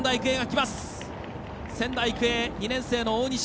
仙台育英、２年生の大西。